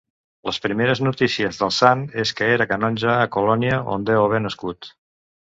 Les primeres notícies del sant és que era canonge a Colònia, on deu haver nascut.